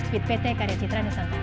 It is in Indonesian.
speed pc karyo citra nusantara